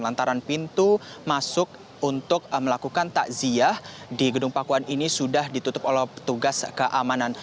lantaran pintu masuk untuk melakukan takziah di gedung pakuan ini sudah ditutup oleh petugas keamanan